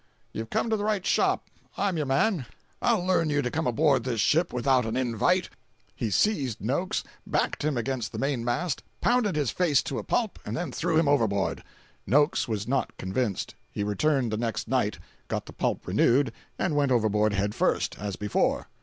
"You've come to the right shop—I'm your man. I'll learn you to come aboard this ship without an _in_vite." He seized Noakes, backed him against the mainmast, pounded his face to a pulp, and then threw him overboard. Noakes was not convinced. He returned the next night, got the pulp renewed, and went overboard head first, as before.